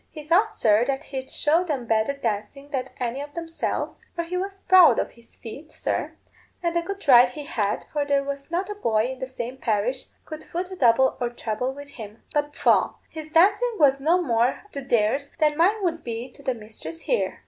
He thought, sir, that he'd show them better dancing than any of themselves, for he was proud of his feet, sir, and a good right he had, for there was not a boy in the same parish could foot a double or treble with him. But pwah! his dancing was no more to theirs than mine would be to the mistress' there.